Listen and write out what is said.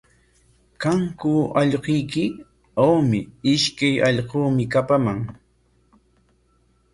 ¿Kanku allquyki? Awmi, ishkay allquumi kapaman.